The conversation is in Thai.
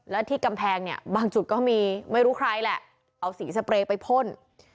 และที่กำแพงเนี่ยบางจุดก็มีไม่รู้ใครแหละเอาสีสเปรย์ไปพ่น